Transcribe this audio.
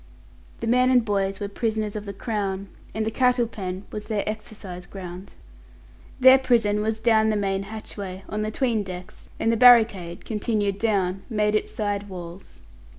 The men and boys were prisoners of the Crown, and the cattle pen was their exercise ground. Their prison was down the main hatchway, on the 'tween decks, and the barricade, continued down, made its side walls.